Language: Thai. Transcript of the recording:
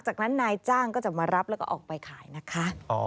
จากนั้นนายจ้างก็จะมารับแล้วก็ออกไปขายนะคะ